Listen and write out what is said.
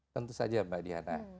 tentu saja mbak diana